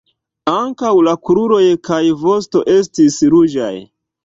Ankaŭ la kruroj kaj vosto estis ruĝaj.